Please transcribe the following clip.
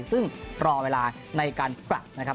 ซึ่งรอเวลาในการปรับนะครับ